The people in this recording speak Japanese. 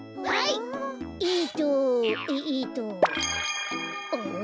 はい。